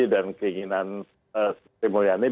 dan keinginan stimulasi